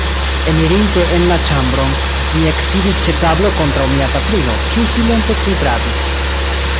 Enirinte en la ĉambron, mi eksidis ĉe tablo kontraŭ mia patrino, kiu silente kudradis.